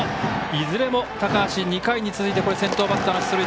いずれも高橋、２回に続いて先頭バッターの出塁